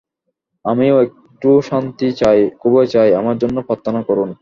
আমিও একটু শান্তি চাই, খুবই চাই, আমার জন্য প্রার্থনা করুন।